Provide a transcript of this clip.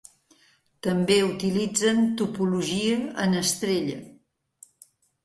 També utilitzen topologia en estrella.